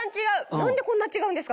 何でこんな違うんですか？